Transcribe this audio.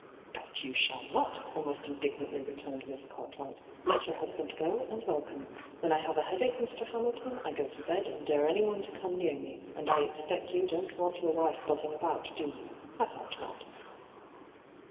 ' That you shall not,' almost indignantly returned Miss Cartwright. ' Let your hus band go, and welcome. When I have a headache, Mr. Hamilton, I go to bed and dare anyone to come near me, and I expect hyGoogIc 1 68 ENTRAPPED you don't want your wife buzzing about, do you? I thought not.'